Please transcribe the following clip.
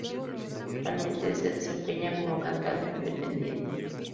Actualmente se desempeña como cantante independiente.